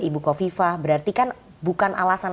ibu kofifah berarti kan bukan alasan